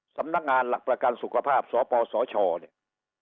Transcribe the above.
สำนักงานหลักประกันสุขภาพสปสชเนี่ย